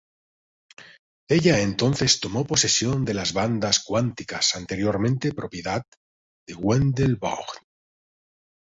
Ella entonces tomó posesión de las Bandas Cuánticas anteriormente propiedad de Wendell Vaughn.